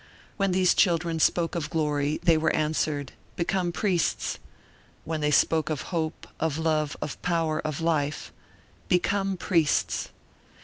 When these children spoke of glory, they were answered: "Become priests;" when they spoke of hope, of love, of power, of life: "Become priests."